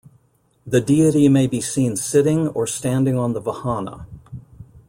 The deity may be seen sitting or standing on the vahana.